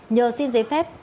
nhờ xin giấy phép